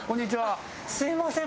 すみません。